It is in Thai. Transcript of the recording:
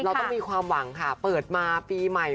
เราต้องมีความหวังค่ะเปิดมาปีใหม่